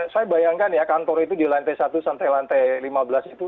saya bayangkan ya kantor itu di lantai satu sampai lantai lima belas itu